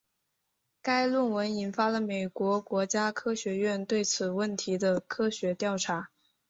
该论文引发了美国国家科学院对此问题的科学调查。